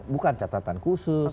bukan catatan khusus